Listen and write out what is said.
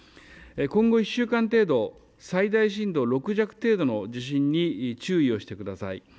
今後１週間程度、最大震度６弱程度の地震に注意をしてください。